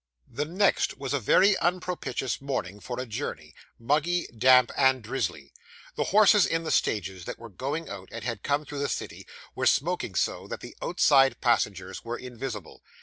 The next was a very unpropitious morning for a journey muggy, damp, and drizzly. The horses in the stages that were going out, and had come through the city, were smoking so, that the outside passengers were invisible.